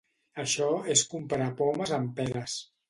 Això és comparar pomes amb peres.